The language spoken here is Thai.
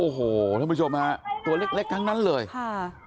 โอ้โหท่านผู้ชมฮะตัวเล็กเล็กทั้งนั้นเลยค่ะ